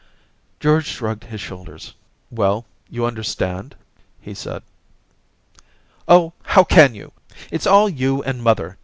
George shrugged his shoulders. * Well, you understand ?' he said. * Oh, how can you ! It's all you and mother.